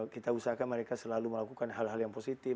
kita usahakan mereka selalu melakukan hal hal yang positif